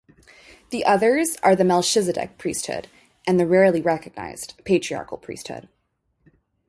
The others are the Melchizedek priesthood and the rarely recognized Patriarchal priesthood.